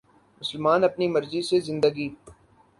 مسلمان اپنی مرضی سے زندگی